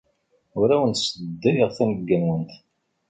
Ur awent-sseddayeɣ tanegga-nwent.